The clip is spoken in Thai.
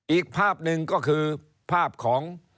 อีกภาพหนึ่งก็คือภาพของ